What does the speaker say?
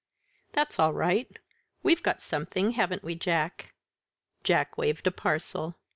"That's all right we've got something, haven't we, Jack?" Jack waved a parcel.